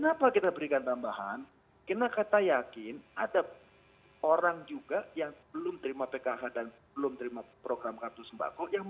apa sebetulnya jawaban dari pemerintah